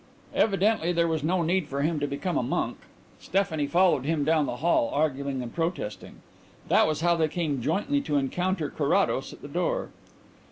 Evidently there was no need for him to become a monk: Stephanie followed him down the hall, arguing and protesting. That was how they came jointly to encounter Carrados at the door.